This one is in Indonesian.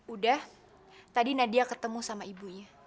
udah tadi nadia ketemu sama ibunya